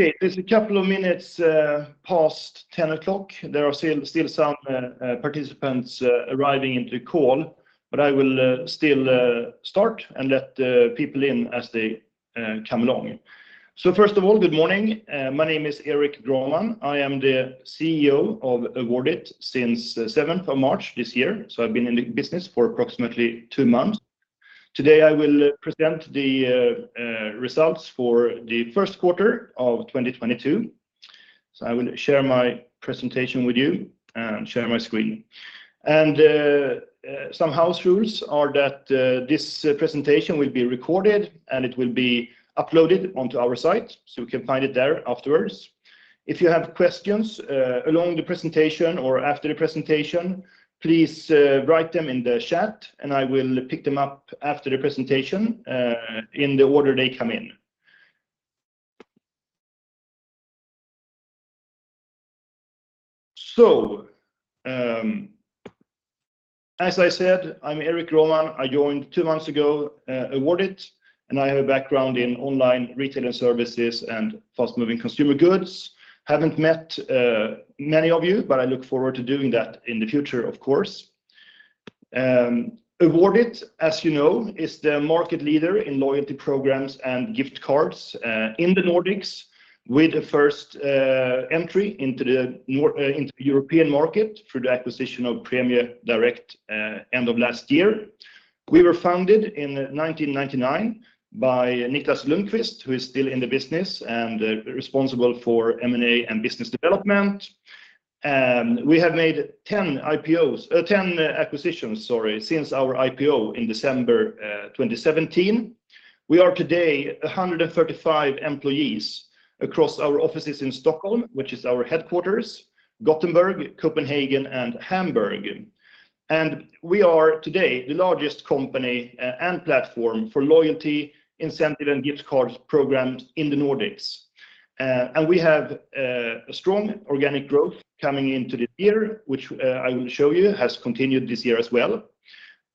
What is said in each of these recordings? Okay, it's a couple of minutes past 10:00 A.M. There are still some participants arriving into the call, but I will still start and let people in as they come along. First of all, good morning. My name is Erik Grohman. I am the CEO of Awardit since 7th of March this year, so I've been in the business for approximately two months. Today, I will present the results for the first quarter of 2022. I will share my presentation with you and share my screen. Some house rules are that this presentation will be recorded, and it will be uploaded onto our site, so you can find it there afterwards. If you have questions along the presentation or after the presentation, please write them in the chat, and I will pick them up after the presentation in the order they come in. As I said, I'm Erik Grohman. I joined two months ago Awardit, and I have a background in online retail and services and fast-moving consumer goods. Haven't met many of you, but I look forward to doing that in the future, of course. Awardit, as you know, is the market leader in loyalty programs and gift cards in the Nordics with the first entry into the European market through the acquisition of Prämie Direkt end of last year. We were founded in 1999 by Niklas Lundqvist, who is still in the business and responsible for M&A and business development. We have made 10 IPOs, ten acquisitions, sorry, since our IPO in December 2017. We are today 135 employees across our offices in Stockholm, which is our headquarters, Gothenburg, Copenhagen, and Hamburg. We are today the largest company and platform for loyalty, incentive, and gift cards programs in the Nordics. We have a strong organic growth coming into the year, which I will show you has continued this year as well.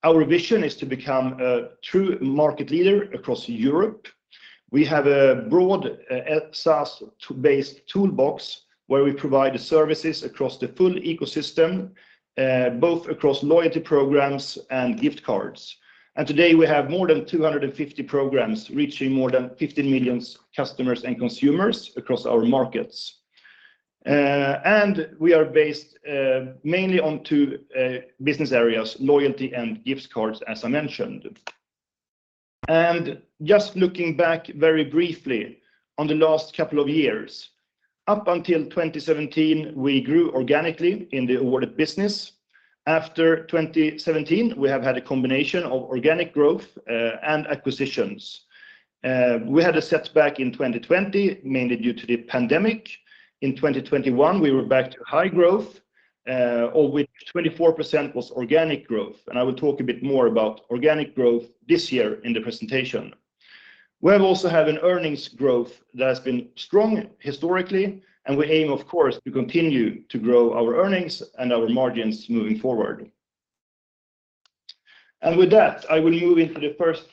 Our vision is to become a true market leader across Europe. We have a broad SaaS-based toolbox where we provide the services across the full ecosystem, both across loyalty programs and gift cards. Today, we have more than 250 programs reaching more than 50 million customers and consumers across our markets. We are based mainly on two business areas, loyalty and gift cards, as I mentioned. Just looking back very briefly on the last couple of years. Up until 2017, we grew organically in the Awardit business. After 2017, we have had a combination of organic growth and acquisitions. We had a setback in 2020, mainly due to the pandemic. In 2021, we were back to high growth, of which 24% was organic growth. I will talk a bit more about organic growth this year in the presentation. We have also had an earnings growth that has been strong historically, and we aim, of course, to continue to grow our earnings and our margins moving forward. With that, I will move into the first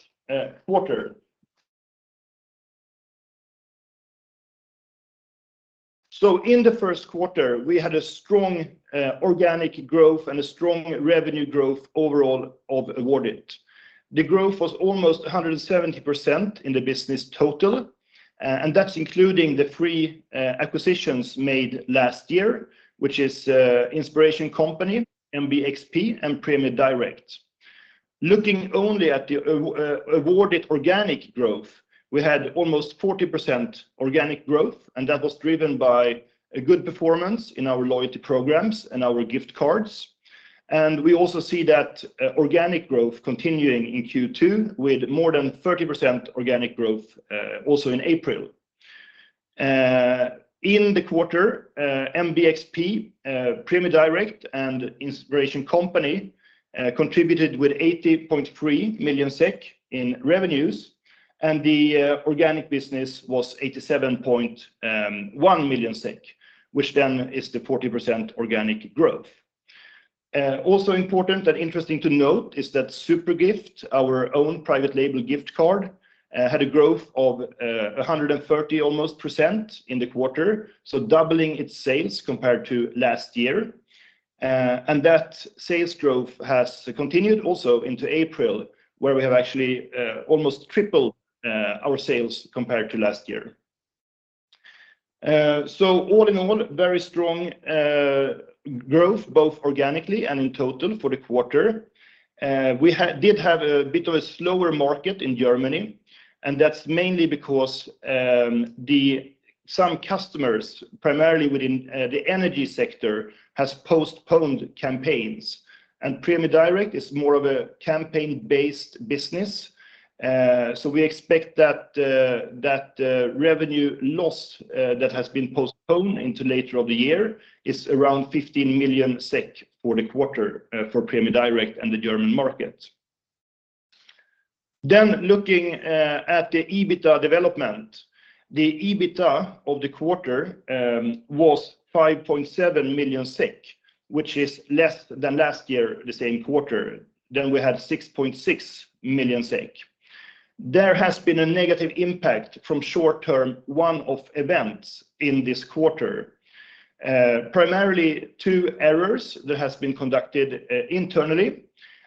quarter. In the first quarter, we had a strong organic growth and a strong revenue growth overall of Awardit. The growth was almost 170% in the business total, and that's including the three acquisitions made last year, which is The Inspiration Company, MBXP, and Prämie Direkt. Looking only at the Awardit organic growth, we had almost 40% organic growth, and that was driven by a good performance in our loyalty programs and our gift cards. We also see that organic growth continuing in Q2 with more than 30% organic growth, also in April. In the quarter, MBXP, Prämie Direkt, and The Inspiration Company contributed with 80.3 million SEK in revenues, and the organic business was 87.1 million SEK, which then is the 40% organic growth. Also important and interesting to note is that Zupergift, our own private label gift card, had a growth of almost 130% in the quarter, so doubling its sales compared to last year. That sales growth has continued also into April, where we have actually almost tripled our sales compared to last year. All in all, very strong growth, both organically and in total for the quarter. We did have a bit of a slower market in Germany, and that's mainly because some customers, primarily within the energy sector, has postponed campaigns. Prämie Direkt is more of a campaign-based business. We expect that revenue loss that has been postponed into the latter half of the year is around 15 million SEK for the quarter, for Prämie Direkt and the German market. Looking at the EBITDA development. The EBITDA of the quarter was 5.7 million SEK, which is less than last year the same quarter. We had 6.6 million SEK. There has been a negative impact from short-term one-off events in this quarter, primarily two errors that has been conducted internally.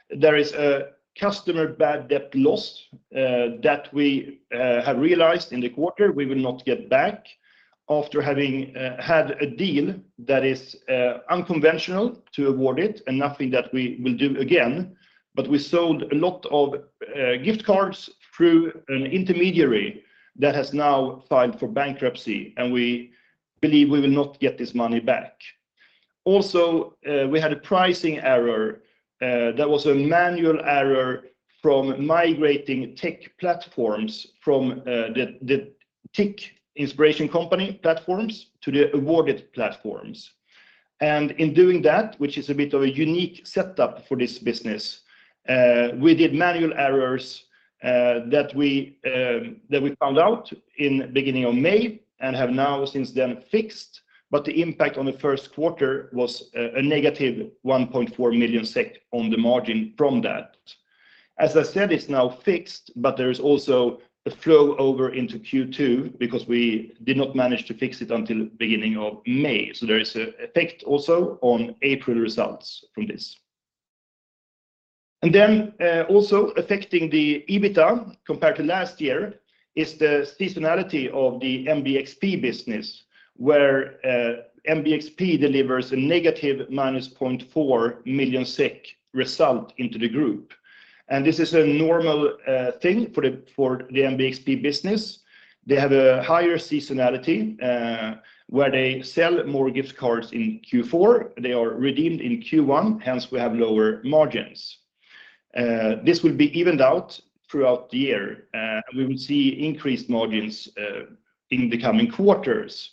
There is a customer bad debt loss that we have realized in the quarter we will not get back after having had a deal that is unconventional to Awardit and nothing that we will do again. We sold a lot of gift cards through an intermediary that has now filed for bankruptcy, and we believe we will not get this money back. Also, we had a pricing error that was a manual error from migrating TIC platforms from the TIC Inspiration Company platforms to the Awardit platforms. In doing that, which is a bit of a unique setup for this business, we did manual errors that we found out in beginning of May and have now since then fixed. The impact on the first quarter was a -1.4 million SEK on the margin from that. As I said, it's now fixed, but there is also a flow over into Q2 because we did not manage to fix it until beginning of May. There is an effect also on April results from this. Also affecting the EBITDA compared to last year is the seasonality of the MBXP business, where MBXP delivers a -0.4 million SEK result into the group. This is a normal thing for the MBXP business. They have a higher seasonality where they sell more gift cards in Q4. They are redeemed in Q1, hence we have lower margins. This will be evened out throughout the year. We will see increased margins in the coming quarters.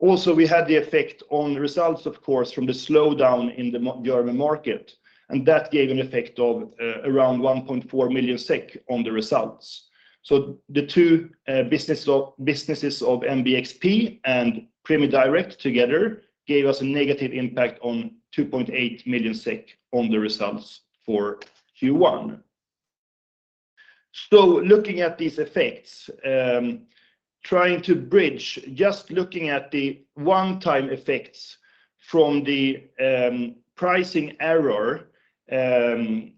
Also, we had the effect on the results of course from the slowdown in the German market, and that gave an effect of around 1.4 million SEK on the results. The two businesses of MBXP and Prämie Direkt together gave us a negative impact on 2.8 million SEK on the results for Q1. Looking at these effects, trying to bridge, just looking at the one-time effects from the pricing error and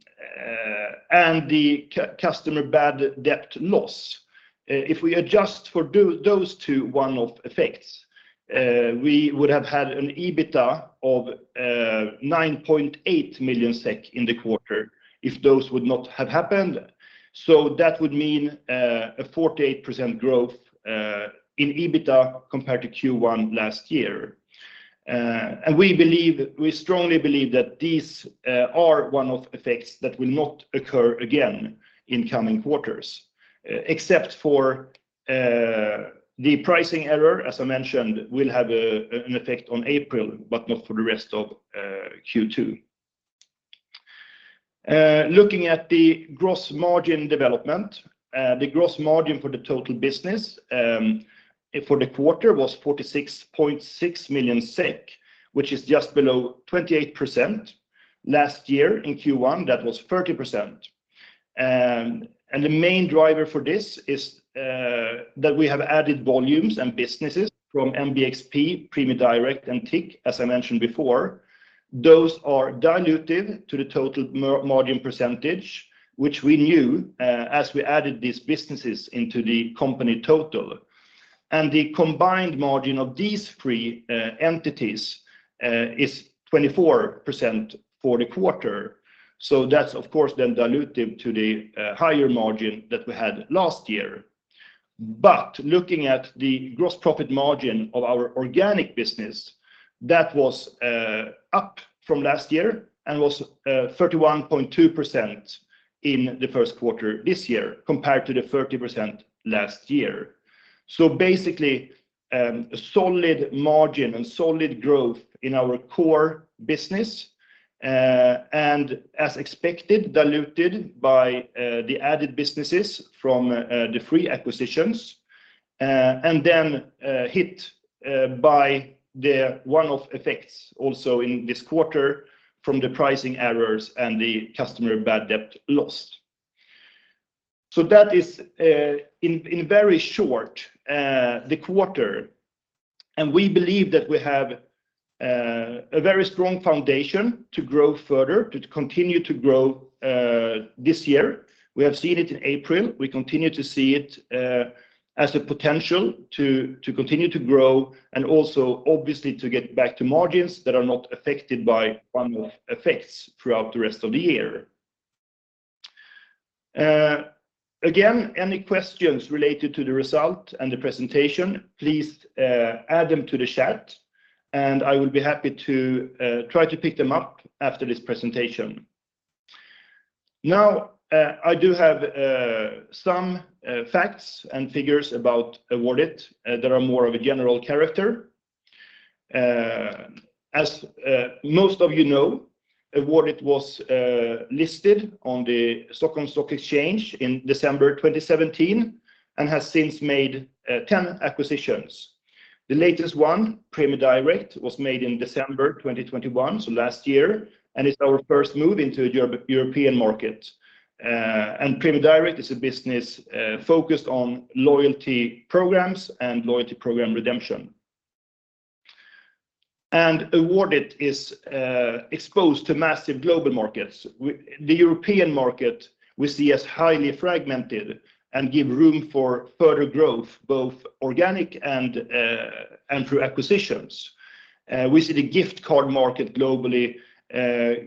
the customer bad debt loss, if we adjust for those two one-off effects, we would have had an EBITDA of 9.8 million SEK in the quarter if those would not have happened. That would mean a 48% growth in EBITDA compared to Q1 last year. We believe, we strongly believe that these are one-off effects that will not occur again in coming quarters, except for the pricing error, as I mentioned, will have an effect on April, but not for the rest of Q2. Looking at the gross margin development, the gross margin for the total business for the quarter was 46.6 million SEK, which is just below 28%. Last year in Q1, that was 30%. The main driver for this is that we have added volumes and businesses from MBXP, Prämie Direkt, and TIC, as I mentioned before. Those are diluted to the total margin %, which we knew as we added these businesses into the company total. The combined margin of these three entities is 24% for the quarter. That's of course then diluted to the higher margin that we had last year. Looking at the gross profit margin of our organic business, that was up from last year and was 31.2% in the first quarter this year compared to the 30% last year. Basically, a solid margin and solid growth in our core business, and as expected, diluted by the added businesses from the three acquisitions, and then hit by the one-off effects also in this quarter from the pricing errors and the customer bad debt loss. That is, in very short, the quarter. We believe that we have a very strong foundation to grow further, to continue to grow, this year. We have seen it in April. We continue to see it as a potential to continue to grow and also obviously to get back to margins that are not affected by one-off effects throughout the rest of the year. Again, any questions related to the result and the presentation, please add them to the chat, and I will be happy to try to pick them up after this presentation. Now, I do have some facts and figures about Awardit that are more of a general character. As most of you know, Awardit was listed on the Stockholm Stock Exchange in December 2017 and has since made 10 acquisitions. The latest one, Prämie Direkt, was made in December 2021, so last year, and it's our first move into the European market. Prämie Direkt is a business focused on loyalty programs and loyalty program redemption. Awardit is exposed to massive global markets. The European market we see as highly fragmented and give room for further growth, both organic and through acquisitions. We see the gift card market globally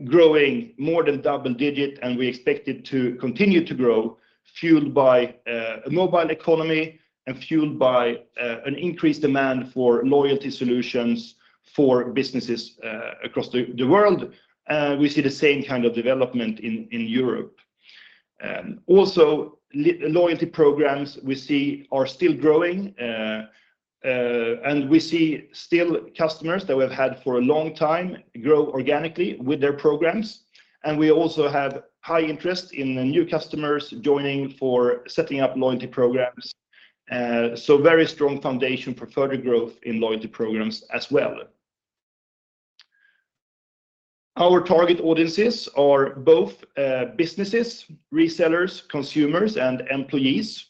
growing more than double digit, and we expect it to continue to grow, fueled by a mobile economy and fueled by an increased demand for loyalty solutions for businesses across the world. We see the same kind of development in Europe. Also loyalty programs we see are still growing, and we see still customers that we have had for a long time grow organically with their programs. We also have high interest in new customers joining for setting up loyalty programs. Very strong foundation for further growth in loyalty programs as well. Our target audiences are both, businesses, resellers, consumers, and employees.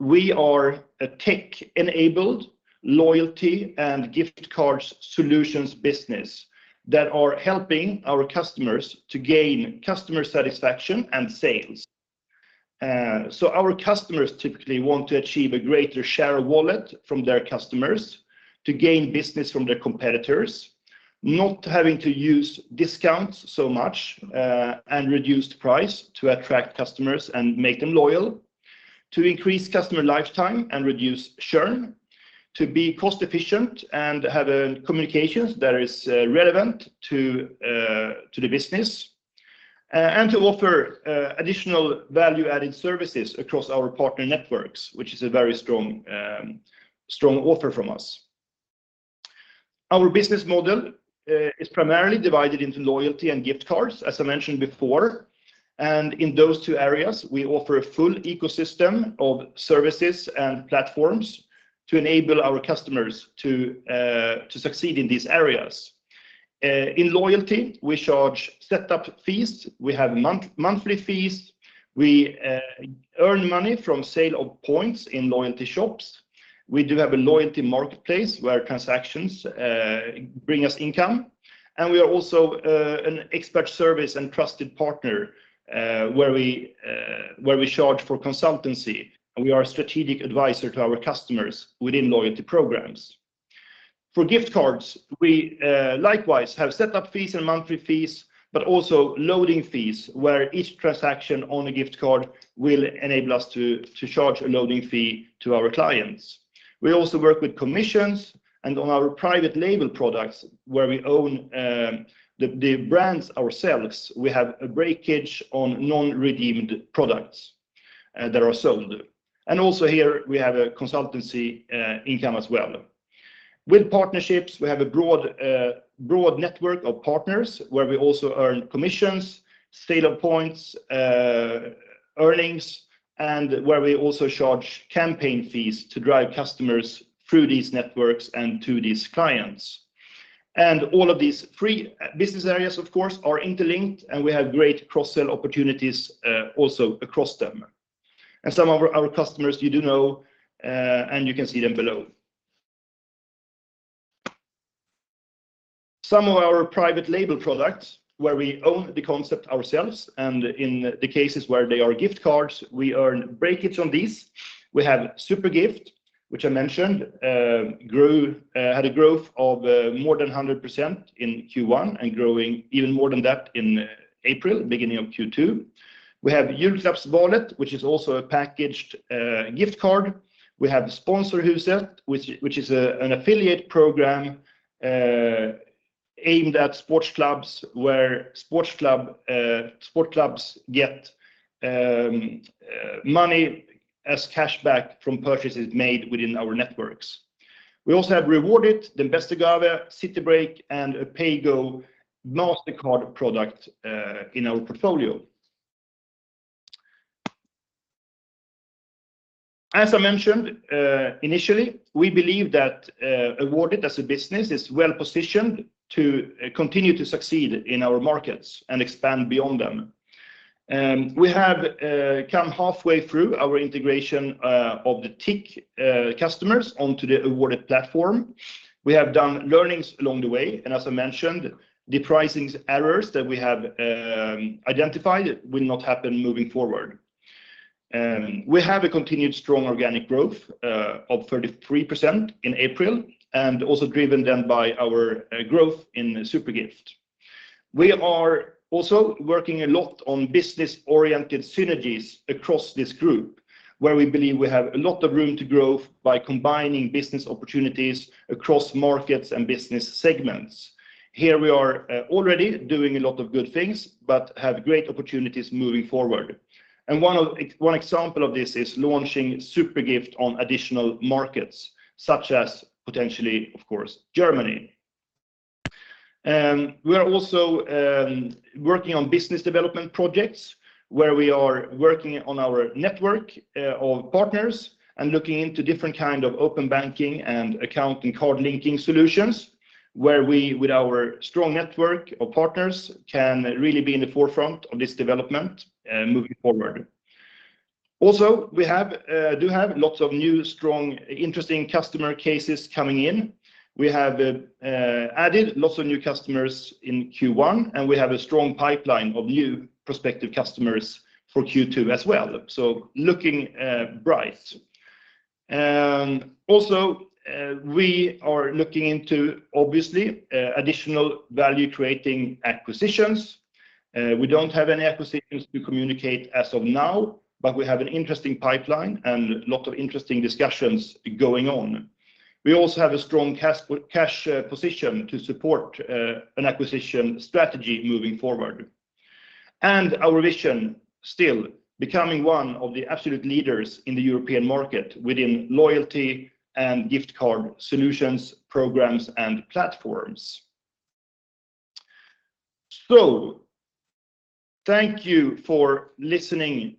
We are a tech-enabled loyalty and gift cards solutions business that are helping our customers to gain customer satisfaction and sales. Our customers typically want to achieve a greater share of wallet from their customers to gain business from their competitors, not having to use discounts so much, and reduced price to attract customers and make them loyal, to increase customer lifetime and reduce churn, to be cost efficient and have, communications that is, relevant to the business, and to offer, additional value-added services across our partner networks, which is a very strong offer from us. Our business model is primarily divided into loyalty and gift cards, as I mentioned before. In those two areas, we offer a full ecosystem of services and platforms to enable our customers to succeed in these areas. In loyalty, we charge setup fees. We have monthly fees. We earn money from sale of points in loyalty shops. We do have a loyalty marketplace where transactions bring us income. We are also an expert service and trusted partner where we charge for consultancy, and we are a strategic advisor to our customers within loyalty programs. For gift cards, we likewise have setup fees and monthly fees, but also loading fees, where each transaction on a gift card will enable us to charge a loading fee to our clients. We also work with commissions and on our private label products where we own the brands ourselves. We have a breakage on non-redeemed products that are sold. Also here we have a consultancy income as well. With partnerships, we have a broad network of partners where we also earn commissions, sale of points, earnings, and where we also charge campaign fees to drive customers through these networks and to these clients. All of these three business areas, of course, are interlinked, and we have great cross-sell opportunities also across them. Some of our customers you do know and you can see them below. Some of our private label products where we own the concept ourselves, and in the cases where they are gift cards, we earn breakage on these. We have Zupergift, which I mentioned, had a growth of more than 100% in Q1 and growing even more than that in April, beginning of Q2. We have Julklappsvalet, which is also a packaged gift card. We have Sponsorhuset, which is an affiliate program aimed at sports clubs, where sports clubs get money as cash back from purchases made within our networks. We also have Rewardit, Den Beste Gave, ZityBreak, and a Paygoo Mastercard product in our portfolio. As I mentioned initially, we believe that Awardit as a business is well positioned to continue to succeed in our markets and expand beyond them. We have come halfway through our integration of the TIC customers onto the Awardit platform. We have done learnings along the way, and as I mentioned, the pricing errors that we have identified will not happen moving forward. We have a continued strong organic growth of 33% in April, and also driven then by our growth in Zupergift. We are also working a lot on business-oriented synergies across this group, where we believe we have a lot of room to grow by combining business opportunities across markets and business segments. Here we are already doing a lot of good things but have great opportunities moving forward. One example of this is launching Zupergift on additional markets, such as potentially, of course, Germany. We are also working on business development projects where we are working on our network of partners and looking into different kind of open banking and account and card linking solutions where we, with our strong network of partners, can really be in the forefront of this development, and moving forward. Also, do have lots of new, strong, interesting customer cases coming in. We have added lots of new customers in Q1, and we have a strong pipeline of new prospective customers for Q2 as well. Looking bright. Also, we are looking into, obviously, additional value-creating acquisitions. We don't have any acquisitions to communicate as of now, but we have an interesting pipeline and a lot of interesting discussions going on. We also have a strong cash position to support an acquisition strategy moving forward. Our vision, still, becoming one of the absolute leaders in the European market within loyalty and gift card solutions, programs, and platforms. Thank you for listening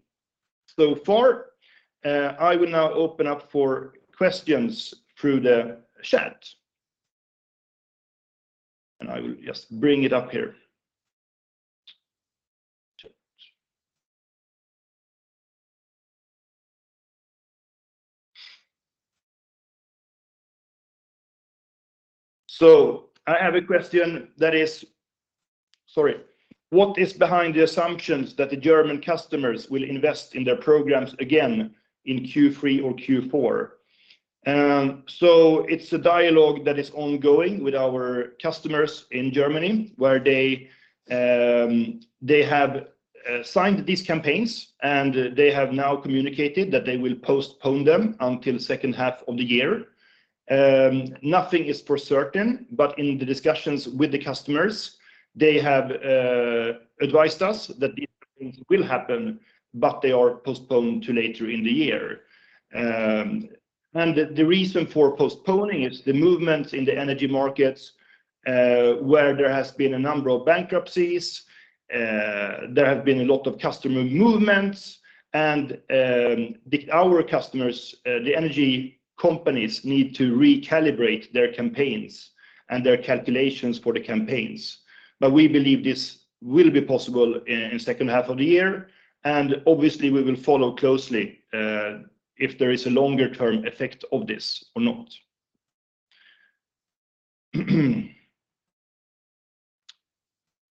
so far. I will now open up for questions through the chat. I will just bring it up here. Chat. I have a question. What is behind the assumptions that the German customers will invest in their programs again in Q3 or Q4? It's a dialogue that is ongoing with our customers in Germany where they have signed these campaigns, and they have now communicated that they will postpone them until second half of the year. Nothing is for certain, but in the discussions with the customers, they have advised us that these things will happen, but they are postponed to later in the year. The reason for postponing is the movement in the energy markets, where there has been a number of bankruptcies, there have been a lot of customer movements, and our customers, the energy companies, need to recalibrate their campaigns and their calculations for the campaigns. We believe this will be possible in second half of the year. Obviously, we will follow closely if there is a longer-term effect of this or not.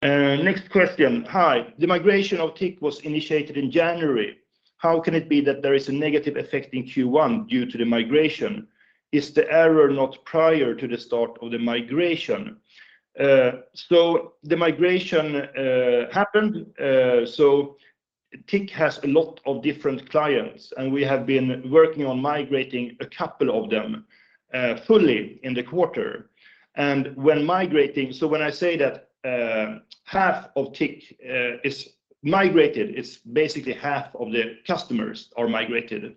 Next question. Hi. The migration of TIC was initiated in January. How can it be that there is a negative effect in Q1 due to the migration? Is the error not prior to the start of the migration? So the migration happened. So TIC has a lot of different clients, and we have been working on migrating a couple of them fully in the quarter. So when I say that half of TIC is migrated, it's basically half of the customers are migrated.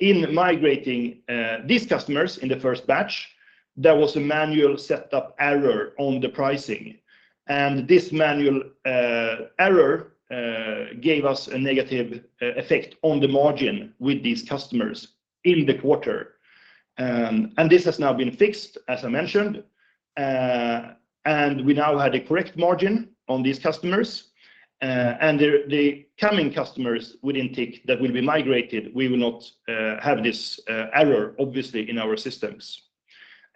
In migrating these customers in the first batch, there was a manual setup error on the pricing, and this manual error gave us a negative effect on the margin with these customers in the quarter. This has now been fixed, as I mentioned. We now have the correct margin on these customers. The coming customers within TIC that will be migrated, we will not have this error, obviously, in our systems.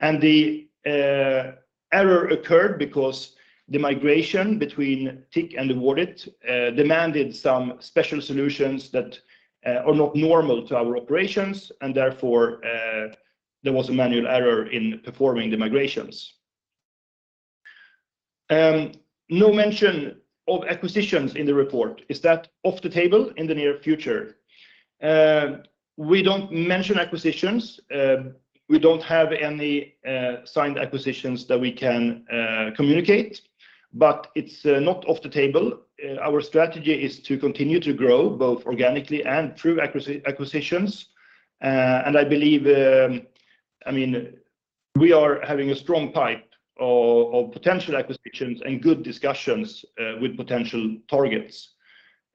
The error occurred because the migration between TIC and Awardit demanded some special solutions that are not normal to our operations, and therefore, there was a manual error in performing the migrations. No mention of acquisitions in the report. Is that off the table in the near future? We don't mention acquisitions. We don't have any signed acquisitions that we can communicate, but it's not off the table. Our strategy is to continue to grow both organically and through acquisitions. I believe, I mean, we are having a strong pipe of potential acquisitions and good discussions with potential targets.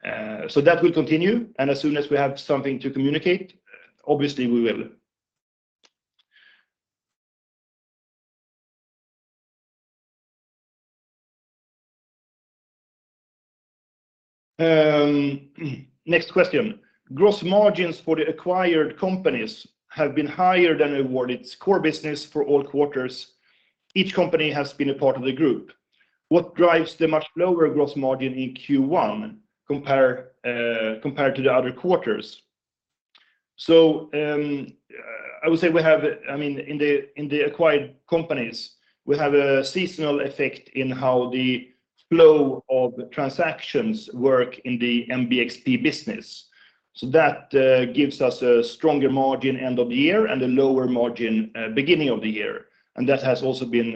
That will continue, and as soon as we have something to communicate, obviously we will. Next question. Gross margins for the acquired companies have been higher than Awardit's core business for all quarters each company has been a part of the group. What drives the much lower gross margin in Q1 compared to the other quarters? I would say we have. I mean, in the acquired companies, we have a seasonal effect in how the flow of transactions work in the MBXP business. That gives us a stronger margin end of the year and a lower margin beginning of the year. That has also been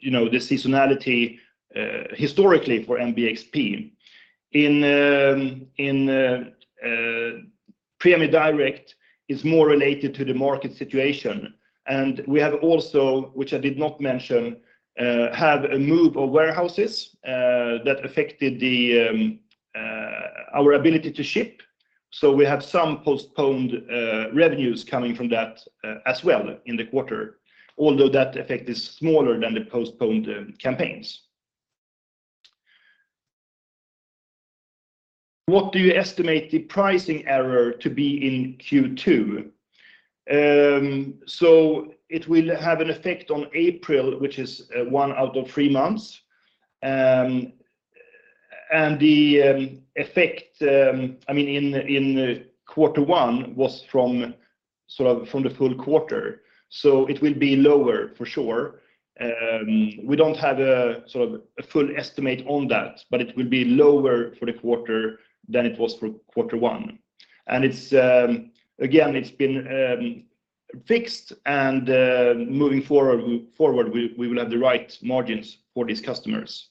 you know the seasonality historically for MBXP. In Prämie Direkt is more related to the market situation. We have also, which I did not mention, have a move of warehouses that affected our ability to ship. We have some postponed revenues coming from that as well in the quarter, although that effect is smaller than the postponed campaigns. What do you estimate the pricing error to be in Q2? It will have an effect on April, which is one out of three months. The effect, I mean, in quarter one was from the full quarter, so it will be lower for sure. We don't have a sort of a full estimate on that, but it will be lower for the quarter than it was for quarter one. It's again been fixed and moving forward, we will have the right margins for these customers.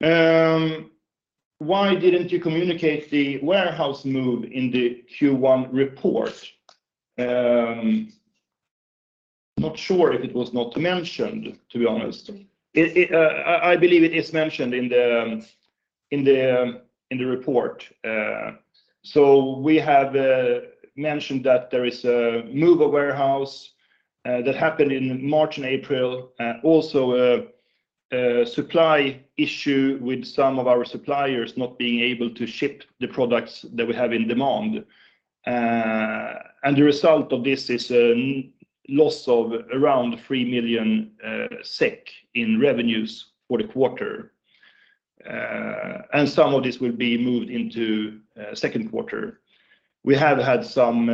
Why didn't you communicate the warehouse move in the Q1 report? Not sure if it was not mentioned, to be honest. I believe it is mentioned in the report. We have mentioned that there is a move of warehouse that happened in March and April. Also a supply issue with some of our suppliers not being able to ship the products that we have in demand. The result of this is loss of around 3 million SEK in revenues for the quarter. Some of this will be moved into second quarter. We have had some.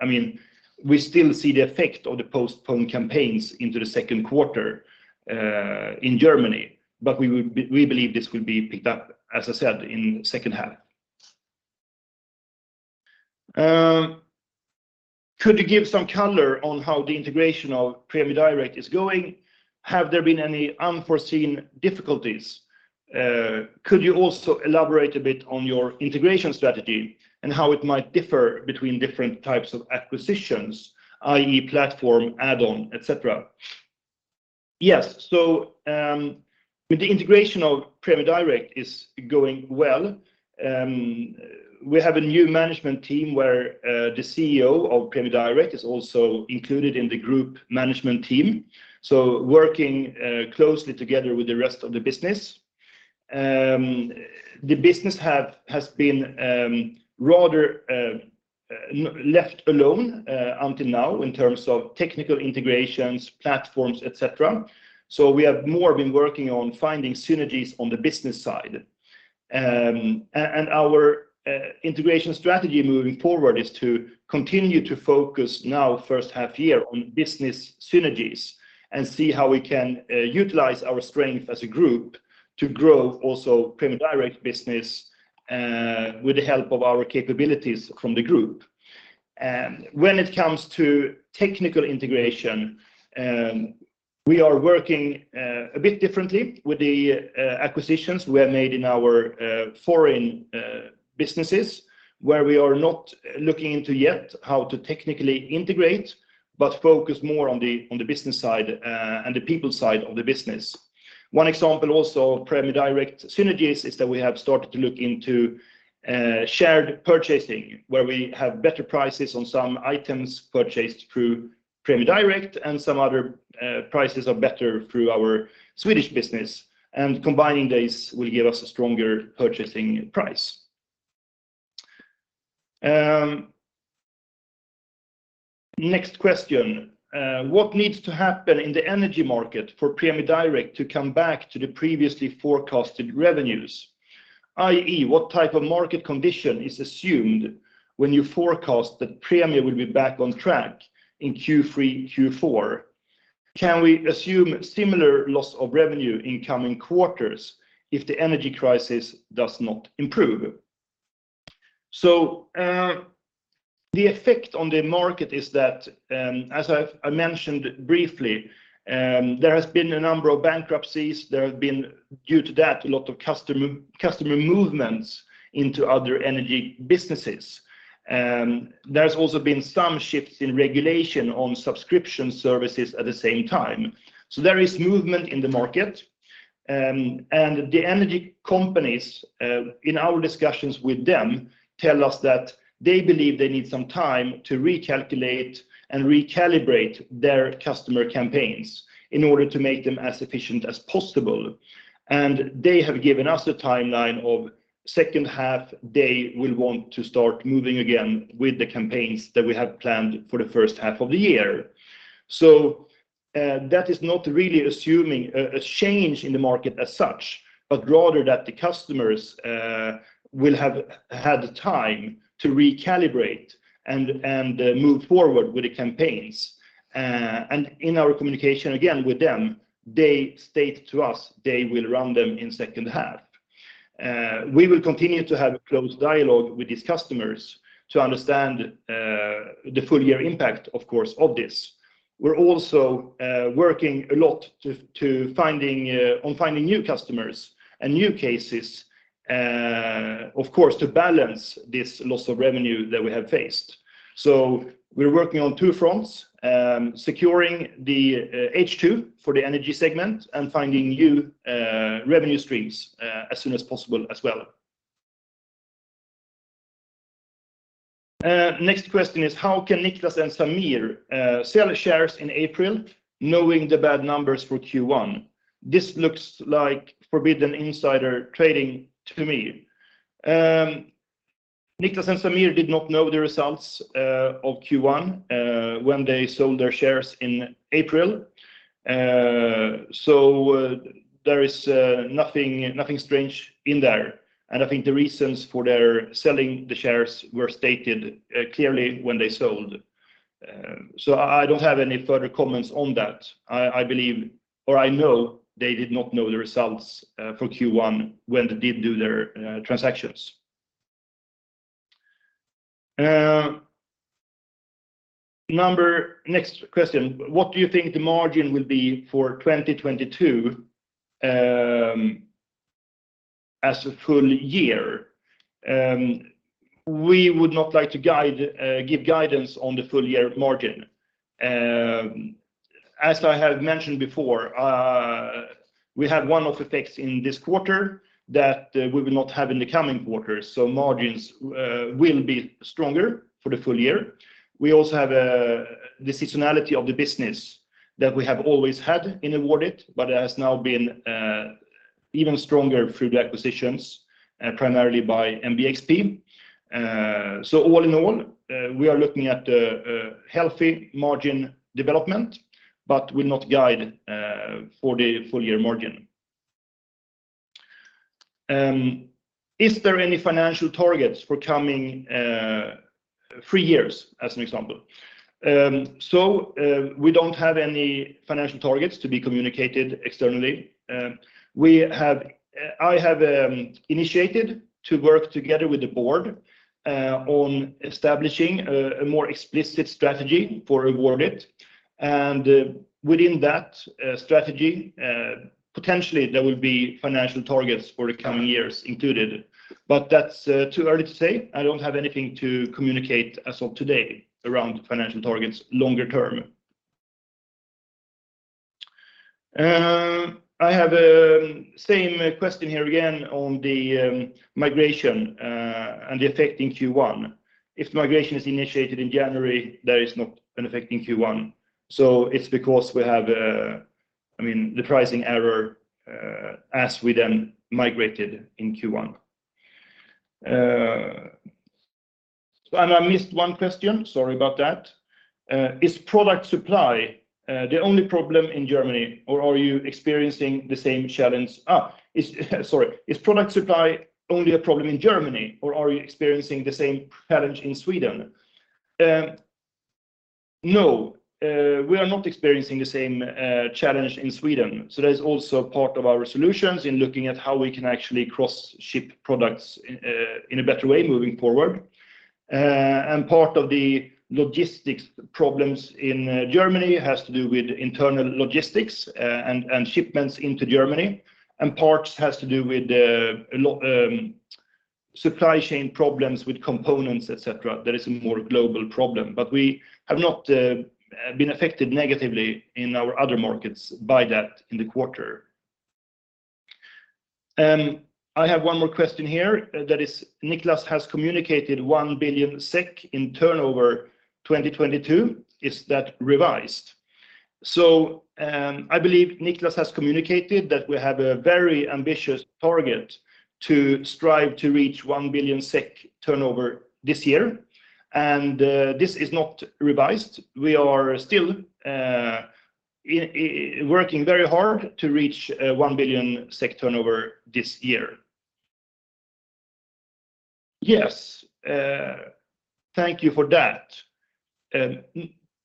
I mean, we still see the effect of the postponed campaigns into the second quarter in Germany, but we believe this will be picked up, as I said, in second half. Could you give some color on how the integration of Prämie Direkt is going? Have there been any unforeseen difficulties? Could you also elaborate a bit on your integration strategy and how it might differ between different types of acquisitions, i.e. platform, add-on, et cetera? Yes. With the integration of Prämie Direkt is going well. We have a new management team where the CEO of Prämie Direkt is also included in the group management team, so working closely together with the rest of the business. The business has been rather left alone until now in terms of technical integrations, platforms, et cetera. We have more been working on finding synergies on the business side. And our integration strategy moving forward is to continue to focus now first half year on business synergies and see how we can utilize our strength as a group to grow also Prämie Direkt business with the help of our capabilities from the group. When it comes to technical integration, we are working a bit differently with the acquisitions we have made in our foreign businesses where we are not looking into yet how to technically integrate, but focus more on the business side and the people side of the business. One example also of Prämie Direkt synergies is that we have started to look into shared purchasing, where we have better prices on some items purchased through Prämie Direkt and some other prices are better through our Swedish business, and combining these will give us a stronger purchasing price. Next question. What needs to happen in the energy market for Prämie Direkt to come back to the previously forecasted revenues, i.e. What type of market condition is assumed when you forecast that Prämie will be back on track in Q3, Q4? Can we assume similar loss of revenue in coming quarters if the energy crisis does not improve? The effect on the market is that, as I've mentioned briefly, there has been a number of bankruptcies. There have been, due to that, a lot of customer movements into other energy businesses. There's also been some shifts in regulation on subscription services at the same time. There is movement in the market. The energy companies, in our discussions with them, tell us that they believe they need some time to recalculate and recalibrate their customer campaigns in order to make them as efficient as possible. They have given us a timeline of second half. They will want to start moving again with the campaigns that we have planned for the first half of the year. That is not really assuming a change in the market as such, but rather that the customers will have had time to recalibrate and move forward with the campaigns. In our communication again with them, they state to us they will run them in second half. We will continue to have close dialogue with these customers to understand the full year impact, of course, of this. We're also working a lot to finding new customers and new cases, of course, to balance this loss of revenue that we have faced. We're working on two fronts, securing the H2 for the energy segment and finding new revenue streams as soon as possible as well. Next question is, "How can Niklas and Samir sell shares in April knowing the bad numbers for Q1? This looks like forbidden insider trading to me." Niklas and Samir did not know the results of Q1 when they sold their shares in April. There is nothing strange in there. I think the reasons for their selling the shares were stated clearly when they sold. I don't have any further comments on that. I believe or I know they did not know the results for Q1 when they did their transactions. Number... Next question: "What do you think the margin will be for 2022, as a full year?" We would not like to guide, give guidance on the full year margin. As I have mentioned before, we had one-off effects in this quarter that we will not have in the coming quarters, so margins will be stronger for the full year. We also have the seasonality of the business that we have always had in Awardit, but it has now been even stronger through the acquisitions, primarily by MBXP. All in all, we are looking at a healthy margin development but will not guide for the full year margin. "Is there any financial targets for coming three years?" as an example. We don't have any financial targets to be communicated externally. I have initiated to work together with the board on establishing a more explicit strategy for Awardit. Within that strategy, potentially there will be financial targets for the coming years included, but that's too early to say. I don't have anything to communicate as of today around financial targets longer term. I have the same question here again on the migration and the effect in Q1. If migration is initiated in January, there is not an effect in Q1. It's because we have, I mean, the pricing error as we then migrated in Q1. I missed one question. Sorry about that. "Is product supply the only problem in Germany, or are you experiencing the same challenge? Is product supply only a problem in Germany, or are you experiencing the same challenge in Sweden?" No. We are not experiencing the same challenge in Sweden. That is also part of our solutions in looking at how we can actually cross-ship products in a better way moving forward. And part of the logistics problems in Germany has to do with internal logistics and shipments into Germany, and parts has to do with supply chain problems with components, et cetera, that is a more global problem. We have not been affected negatively in our other markets by that in the quarter. I have one more question here. That is, "Niklas has communicated 1 billion SEK in turnover 2022. Is that revised? I believe Niklas has communicated that we have a very ambitious target to strive to reach 1 billion SEK turnover this year, and this is not revised. We are still working very hard to reach 1 billion SEK turnover this year. Yes. Thank you for that.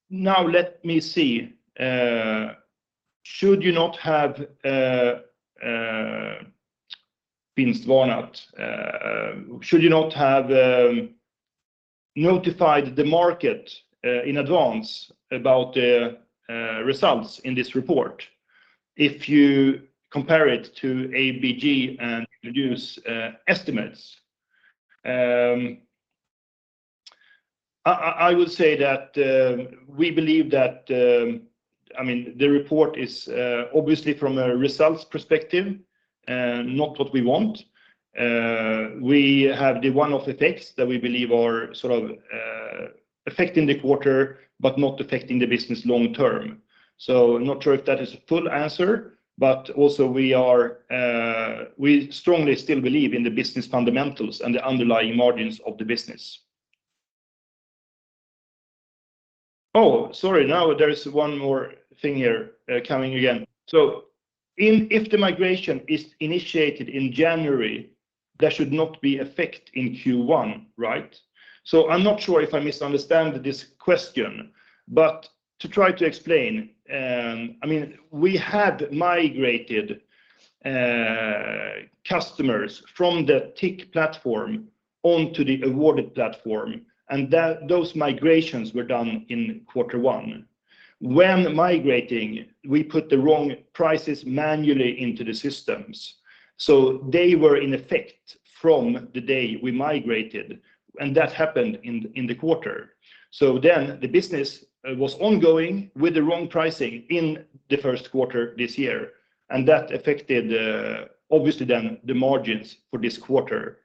Now let me see. 'Should you not have vinstvarnat, notified the market in advance about the results in this report if you compare it to ABG and reduce estimates?' I would say that we believe that. I mean, the report is obviously from a results perspective not what we want. We have the one-off effects that we believe are sort of affecting the quarter but not affecting the business long term. Not sure if that is a full answer, but also we strongly still believe in the business fundamentals and the underlying margins of the business. Oh, sorry. Now there is one more thing here, coming again. In, "If the migration is initiated in January, there should not be effect in Q1, right?" I'm not sure if I misunderstand this question, but to try to explain, I mean, we had migrated customers from the TIC platform onto the Awardit platform and those migrations were done in quarter one. When migrating, we put the wrong prices manually into the systems, so they were in effect from the day we migrated, and that happened in the quarter. The business was ongoing with the wrong pricing in the first quarter this year, and that affected the margins for this quarter,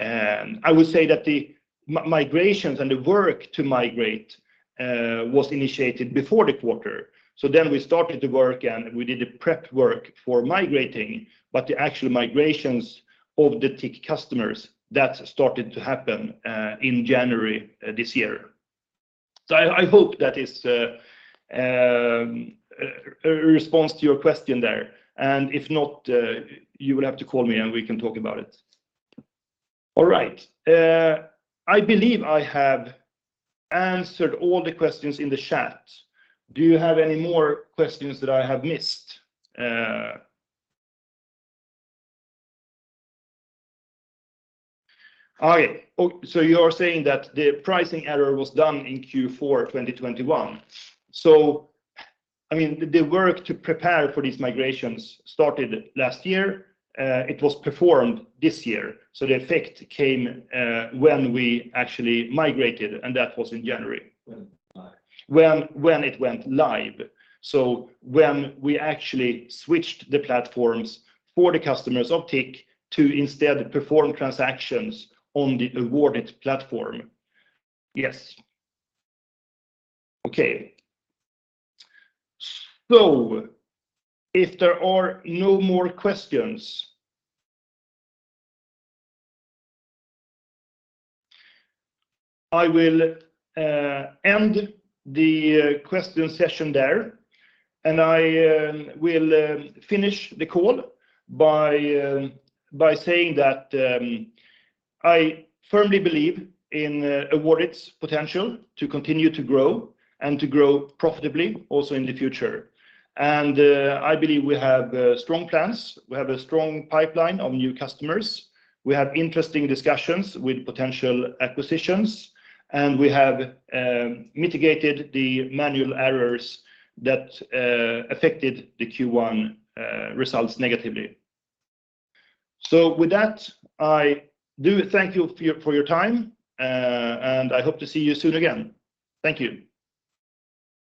obviously. I would say that the migrations and the work to migrate was initiated before the quarter. We started to work and we did the prep work for migrating. The actual migrations of the TIC customers started to happen in January this year. I hope that is a response to your question there. If not, you will have to call me and we can talk about it. All right. I believe I have answered all the questions in the chat. Do you have any more questions that I have missed? Okay. Oh, you're saying that the pricing error was done in Q4 2021. I mean, the work to prepare for these migrations started last year. It was performed this year. The effect came when we actually migrated, and that was in January. When live. When it went live. When we actually switched the platforms for the customers of TIC to instead perform transactions on the Awardit platform. Yes. Okay. If there are no more questions, I will end the question session there, and I will finish the call by saying that I firmly believe in Awardit's potential to continue to grow and to grow profitably also in the future. I believe we have strong plans. We have a strong pipeline of new customers. We have interesting discussions with potential acquisitions, and we have mitigated the manual errors that affected the Q1 results negatively. With that, I do thank you for your time, and I hope to see you soon again. Thank you.